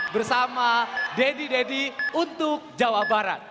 bersama deddy deddy untuk jawa barat